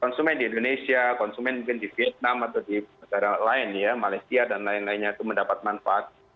konsumen di indonesia konsumen mungkin di vietnam atau di negara lain ya malaysia dan lain lainnya itu mendapat manfaat